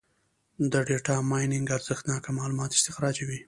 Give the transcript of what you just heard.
د ډیټا مایننګ ارزښتناکه معلومات استخراجوي.